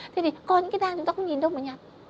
thế thì có những cái đang chúng ta cũng nhìn đâu mà nhặt